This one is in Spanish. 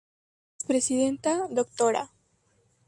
La expresidenta, Dra.